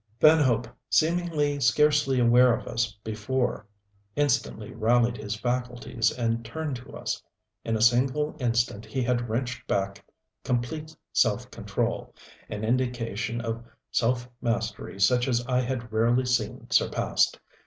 Van Hope, seemingly scarcely aware of us before, instantly rallied his faculties and turned to us. In a single instant he had wrenched back complete self control an indication of self mastery such as I had rarely seen surpassed.